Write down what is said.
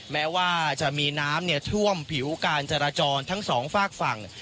แม้ว่าจะมีน้ำท่วมผิวการจราจรทั้งสองฝากฝั่ง